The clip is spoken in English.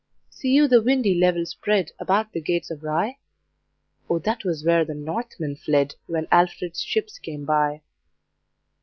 See you the windy levels spread About the gates of Rye? O that was where the Northmen fled, When Alfred's ships came by.